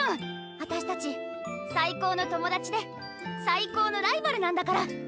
あたしたち最高の友達で最高のライバルなんだから！